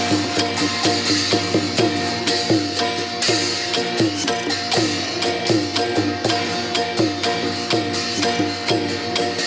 มาเอ๋วจี้นี่จะสนุกอย่างโจ้